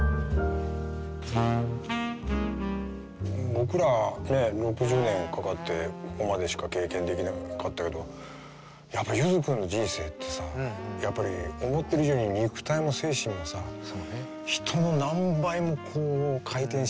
僕らね６０年かかってここまでしか経験できなかったけどやっぱりゆづ君の人生ってさやっぱり思ってる以上に肉体も精神もさ人の何倍もこう回転して生きてるじゃない？